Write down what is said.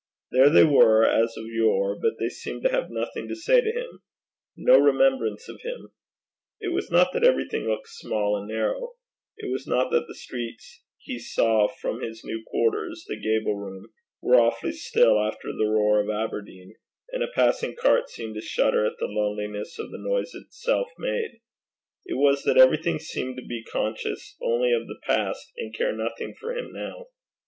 There they were, as of yore, but they seemed to have nothing to say to him no remembrance of him. It was not that everything looked small and narrow; it was not that the streets he saw from his new quarters, the gable room, were awfully still after the roar of Aberdeen, and a passing cart seemed to shudder at the loneliness of the noise itself made; it was that everything seemed to be conscious only of the past and care nothing for him now.